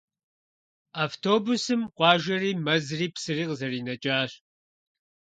Автобусым къуажэри, мэзри, псыри къызэринэкӏащ.